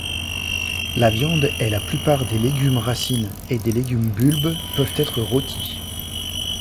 La viande et la plupart des légumes-racines et des légumes-bulbes peuvent être rôtis.